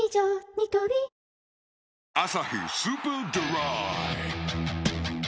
ニトリ「アサヒスーパードライ」